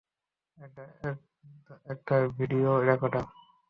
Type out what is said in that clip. এটা একটা video recorder.